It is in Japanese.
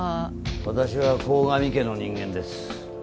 私は鴻上家の人間です。